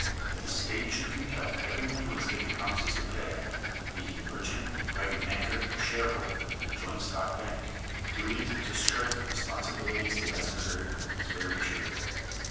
That the state should compel every one who has given promises to pay, be he merchant, private banker, or shareholder in a joint stock bank, duly to discharge the responsibilities he has incurred, is very true.